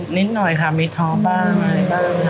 นิดหน่อยค่ะมีท้อบ้างอะไรบ้างค่ะ